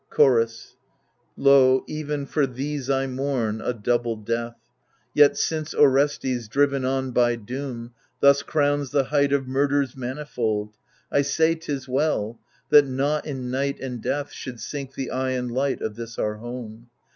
Chorus Lo, even for these I mourn, a double death : Yet since Orestes, driven on by doom. Thus crowns the height of murders manifold, I say, 'tis well — that not in night and death Should sink the «ye and light of this our home.